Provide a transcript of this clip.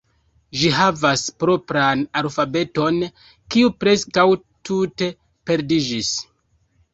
Ĝi havas propran alfabeton, kiu preskaŭ tute perdiĝis.